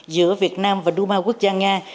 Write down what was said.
giữa việt nam và đu ma quốc gia nga